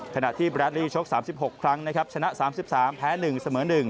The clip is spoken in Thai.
ขณะที่แบร์ทลีชก๓๖ครั้งชนะ๓๓แพ้๑เสมอ๑